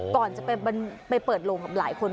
ก่อนจะไปเปิดโลงกับหลายคน